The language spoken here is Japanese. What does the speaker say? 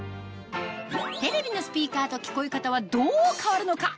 テレビのスピーカーと聞こえ方はどう変わるのか？